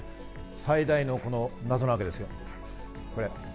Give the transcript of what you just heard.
最大の謎なわけですよ、これ。